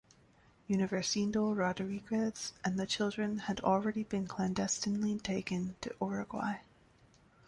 Universindo Rodriguez and the children had already been clandestinely taken to Uruguay.